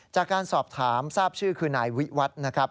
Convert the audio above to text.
จากการสอบถามทราบชื่อคือนายวิวัฒน์นะครับ